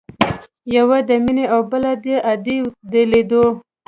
يوه د مينې او بله د ادې د ليدو.